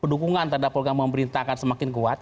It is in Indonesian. dukungan terhadap program pemerintah akan semakin kuat